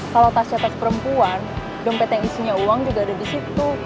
kalau tasnya tas perempuan dompet yang isinya uang juga ada di situ